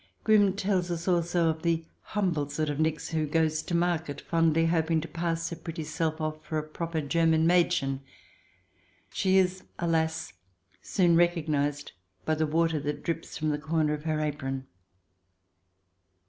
Grimm tells us also of the humble sort of Nix, who goes to market, fondly hoping to pass her pretty self off for a proper German Mddchen. She is, alas ! soon recognized by the water that drips from the corner of her apron.